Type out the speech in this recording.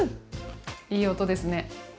いい音ですね。